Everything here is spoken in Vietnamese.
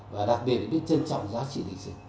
và đặc biệt biết trân trọng giá trị lịch sử